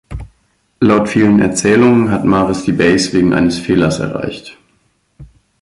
Laut vielen Erzählungen hat Maris die Base wegen eines Fehlers erreicht.